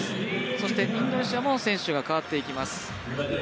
そして、インドネシアも選手が代わっていきます。